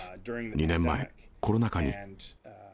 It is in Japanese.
２年前、コロナ禍に。